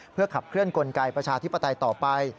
เพื่อขับเคลื่อนกลไกประชาธิปไตยต่อไป